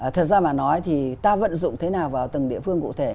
thật ra mà nói thì ta vận dụng thế nào vào từng địa phương cụ thể